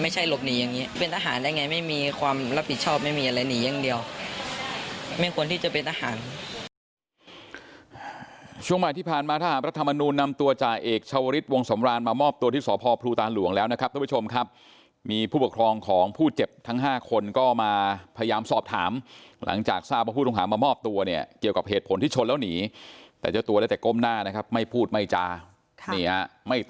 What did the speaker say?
ไม่ใช่หลบหนีอย่างงี้เป็นทหารได้ไงไม่มีความรับผิดชอบไม่มีอะไรหนีอย่างเดียว